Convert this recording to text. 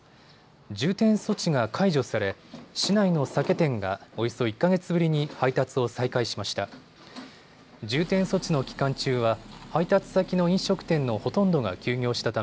重点措置が解除され市内の酒店がおよそ１か月ぶりに配達を再開しました。